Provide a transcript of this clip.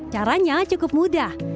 caranya cukup mudah